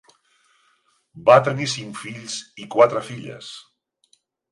Va tenir cinc fills i quatre filles.